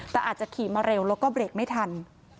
แต่อาจจะขี่มาเร็วแล้วก็เบรกไม่ทัน